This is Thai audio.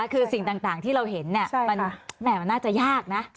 คือสิ่งต่างต่างที่เราเห็นเนี้ยใช่ค่ะมันน่าจะยากนะใช่